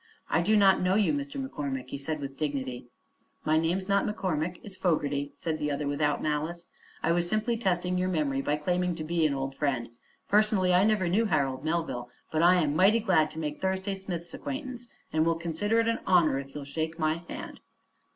"I do not know you, Mr. McCormick," he said with dignity. "My name's not McCormick; it's Fogerty," said the other, without malice. "I was simply testing your memory by claiming to be an old friend. Personally I never knew Harold Melville, but I'm mighty glad to make Thursday Smith's acquaintance and will consider it an honor if you'll shake my hand."